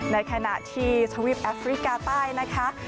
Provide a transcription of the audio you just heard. ในขณะที่ทวีปแอฟริกาใต้นะคะ